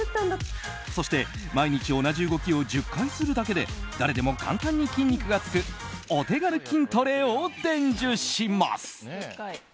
そして毎日同じ動きを１０回するだけで誰でも簡単に筋肉がつくお手軽筋トレを伝授します。